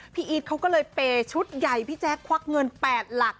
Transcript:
พี่อีทเค้าก็เลยเปชุดใหญ่พี่แจ๊กควักเงินแปดหลัก